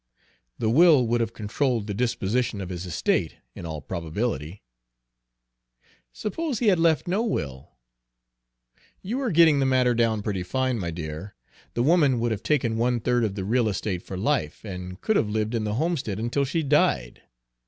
"The will would have controlled the disposition of his estate, in all probability." "Suppose he had left no will?" "You are getting the matter down pretty fine, my dear! The woman would have taken one third of the real estate for life, and could have lived in the homestead until she died.